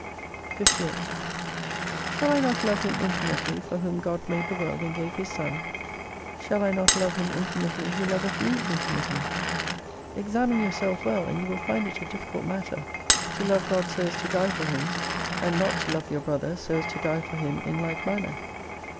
i 58 Shall I not love him infinitely for whom God made the world and gave His Son ? Shall I not love him infinitely who loveth me infinitely ? Examine yourself well, and you will find it a difficult matter to love God 280 so as to die for Him, and not to love your brother so as to die for him in like manner.